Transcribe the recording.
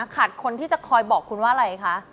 คนที่จะคอยบอกคุณว่าอะไรคะ